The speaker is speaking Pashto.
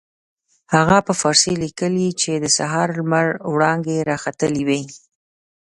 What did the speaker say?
هغه په فارسي لیکلي چې د سهار لمر وړانګې را ختلې وې.